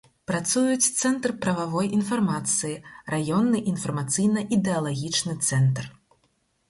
Працуюць цэнтр прававой інфармацыі, раённы інфармацыйна-ідэалагічны цэнтр.